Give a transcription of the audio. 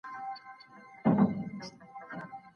ډېر لوړ ږغ پاڼه ړنګوي.